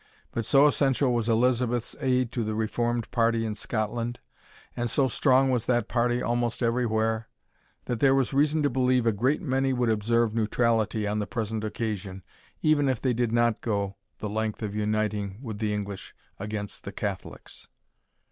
But so essential was Elizabeth's aid to the reformed party in Scotland, and so strong was that party almost every where, that there was reason to believe a great many would observe neutrality on the present occasion, even if they did not go the length of uniting with the English against the Catholics.